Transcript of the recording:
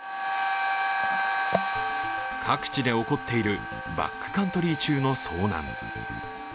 各地で起こっているバックカントリー中の遭難。